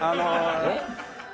えっ？